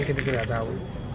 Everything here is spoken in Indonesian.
kita tidak tahu